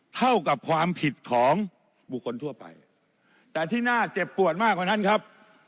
เท่ากับความผิดของบุคคลทั่วไปแต่ที่น่าเจ็บปวดมากกว่านั้นครับ